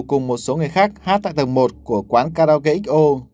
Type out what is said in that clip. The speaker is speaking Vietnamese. cùng một số người khác hát tại tầng một của quán karaoke xo